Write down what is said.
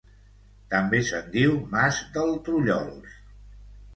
També se'n diu Mas del Trullols.